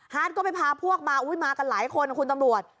ก็ไปพาพวกมามากันหลายคนนะคุณตำรวจ